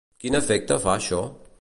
Quin efecte fa això?